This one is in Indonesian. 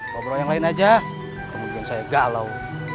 ngobrol yang lain aja kemudian saya galau